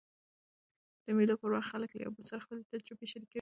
د مېلو پر وخت خلک له یو بل سره خپلي تجربې شریکوي.